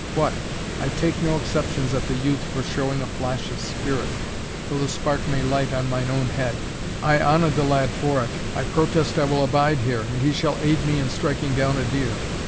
What! I take no exceptions at the youth for showing a flash of spirit, though the spark may light on mine own head. I honour the lad for it. I protest I will abide here, and he shall aid me in striking down a deer.